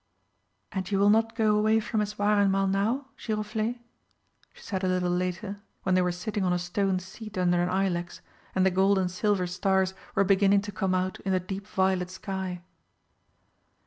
"And you will not go away from Eswareinmal now, Giroflé?" she said a little later, when they were sitting on a stone seat under an ilex, and the gold and silver stars were beginning to come out in the deep violet sky.